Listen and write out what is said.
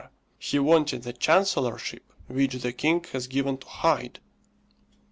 "He wanted the chancellorship which the king has given to Hyde."